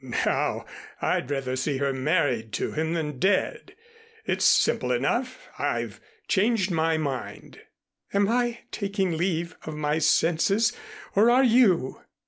"Now I'd rather see her married to him than dead. It's simple enough. I've changed my mind." "Am I taking leave of my senses or are you?"